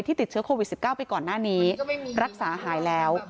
ติดเชื้อโควิด๑๙ไปก่อนหน้านี้รักษาหายแล้ว